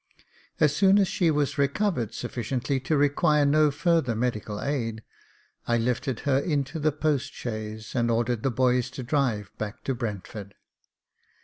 As soon as she was recovered sufficiently to require no further medical aid, I lifted her into the postchaise, and ordered the boys to drive back to Brentford.